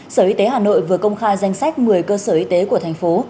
sở y tế hà nội vừa công khai danh sách một mươi cơ sở y tế của thành phố